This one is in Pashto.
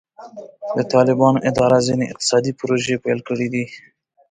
د طالبانو اداره ځینې اقتصادي پروژې پیل کړي دي.